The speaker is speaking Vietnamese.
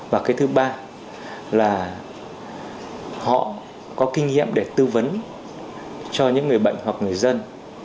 và cái thứ ba là họ có kinh nghiệm để tư vấn cho những người bệnh hoặc người dân